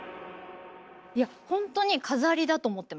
いやほんとに飾りだと思ってました。